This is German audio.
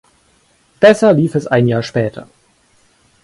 Besser lief es ein Jahr später.